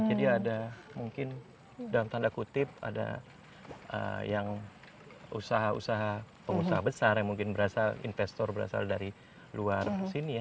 jadi ada mungkin dalam tanda kutip ada yang usaha usaha pengusaha besar yang mungkin berasal investor berasal dari luar sini ya